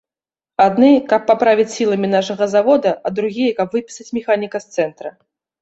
Адны, каб паправіць сіламі нашага завода, а другія, каб выпісаць механіка з цэнтра.